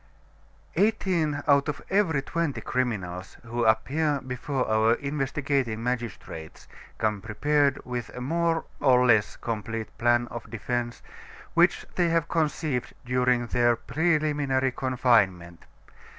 Eighteen out of every twenty criminals who appear before our investigating magistrates come prepared with a more or less complete plan of defense, which they have conceived during their preliminary confinement.